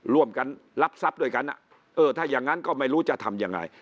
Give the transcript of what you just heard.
ร่วมกันรับทรัพย์ด้วยกันเออถ้าอย่างนั้นก็ไม่รู้จะทำยังไง